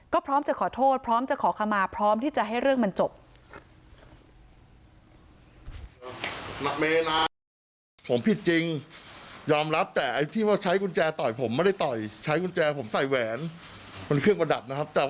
ก็พร้อมจะขอโทษพร้อมจะขอขมาพร้อมที่จะให้เรื่องมันจบ